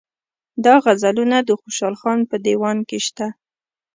دا غزلونه د خوشحال خان په دېوان کې شته.